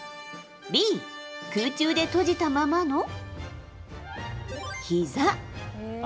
Ｂ、空中で閉じたままのひざ。